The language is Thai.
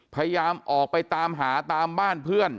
พยายามออกไปตามหาตามบ้านเพื่อน